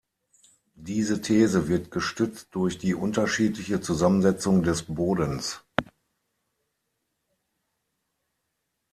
Diese These wird gestützt durch die unterschiedliche Zusammensetzung des Bodens.